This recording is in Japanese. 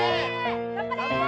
頑張れ！